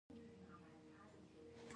ایا زه باید شاهدي ورکړم؟